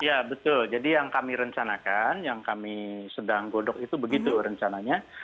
ya betul jadi yang kami rencanakan yang kami sedang godok itu begitu rencananya